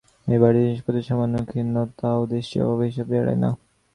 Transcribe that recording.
এ বাড়িতে জিনিসপত্রের সামান্য ক্ষুণ্নতাও দৃষ্টি অথবা হিসাব এড়ায় না।